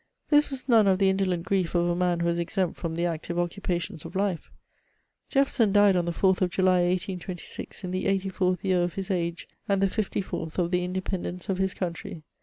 This was none of the indolent grief of a man who was exempt from the active occupations of life : Jefferson died on the 4th of July, 1826, in the 84th year of his age and the 54th of the Independence of his coimtry.